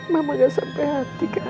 mama gak sampai hati ke andi